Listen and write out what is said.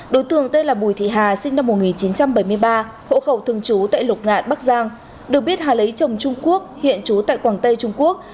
đối tượng tên là bùi thị hà sinh năm một nghìn chín trăm bảy mươi ba hộ khẩu thường trú tại lục ngạn bắc giang được biết hà lấy chồng trung quốc hiện trú tại quảng tây trung quốc